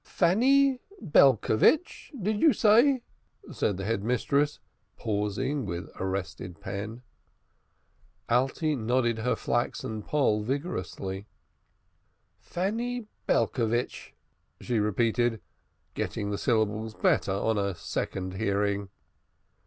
"Fanny Belcovitch, did you say?" said the Head Mistress, pausing with arrested pen. Alte nodded her flaxen poll vigorously. "Fanny Belcovitch," she repeated, getting the syllables better on a second hearing.